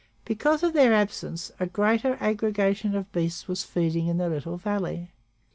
Because of their absence, a greater aggregation of beasts was feeding in the little valley.